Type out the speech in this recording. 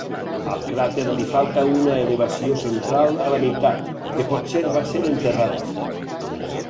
Al cràter li falta una elevació central a la meitat, que potser va ser enterrada.